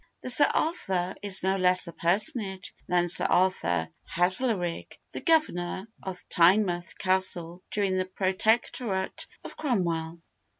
The 'Sir Arthur' is no less a personage than Sir Arthur Haslerigg, the Governor of Tynemouth Castle during the Protectorate of Cromwell.